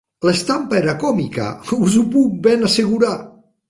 L'estampa era còmica, us ho puc ben assegurar.